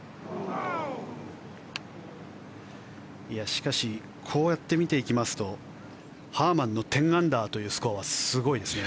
しかし、こうやって見ていきますとハーマンの１０アンダーというスコアはすごいですね。